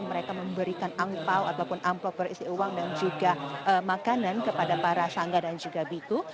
mereka memberikan angpao ataupun amplop berisi uang dan juga makanan kepada para sangga dan juga biku